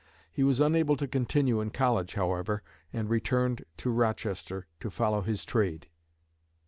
He was unable to continue in college, however, and returned to Rochester to follow his trade.